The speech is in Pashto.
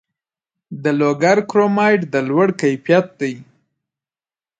د لوګر کرومایټ د لوړ کیفیت دی